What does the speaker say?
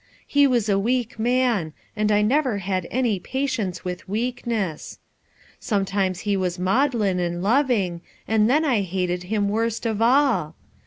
He was a weak man, and I never had any pa tience with weakness. Sometimes he was maud lin and loving, and then I hated him worst of all.